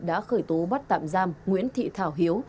đã khởi tố bắt tạm giam nguyễn thị thảo hiếu